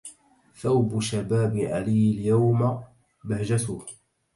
ثوب الشباب علي اليوم بهجته